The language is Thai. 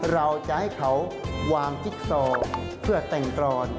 เราจะให้เขาวางจิ๊กซอเพื่อแต่งกรอน